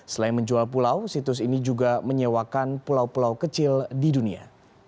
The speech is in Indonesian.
selain menjual pulau situs ini juga menyewakan pulau pulau kecil di dunia